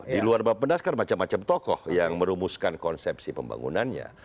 di luar bapenas kan macam macam tokoh yang merumuskan konsepsi pembangunannya